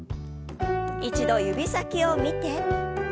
一度指先を見て。